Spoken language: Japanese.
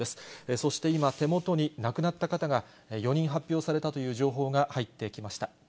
そして今、手元に、亡くなった方が４人発表されたという情報が入ってきました。